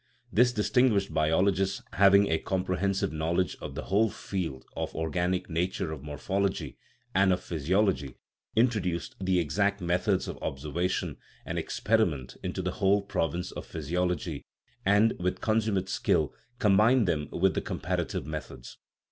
This distinguished biologist, having a comprehensive knowledge of the whole , field of or 99 r THE RIDDLE OF THE UNIVERSE ganic nature, of morphology, and of physiology, in troduced the " exact methods " of observation and ex periment into the whole province of physiology, and, with consummate skill, combined them with the com parative methods.